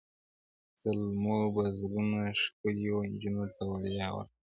زلمو به زړونه ښکلیو نجونو ته وړیا ورکول-